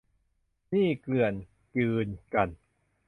หนี้เกลื่อนกลืนกัน